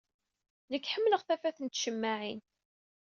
Nekk ḥemmleɣ tafat n tcemmaɛin.